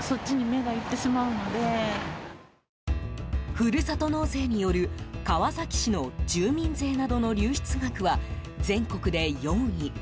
ふるさと納税による川崎市の住民税などの流出額は、全国で４位。